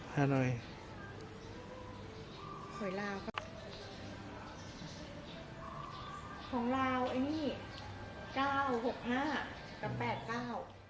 หน่อยของลาวไอ้นี่เก้าหกห้ากับแปดเก้า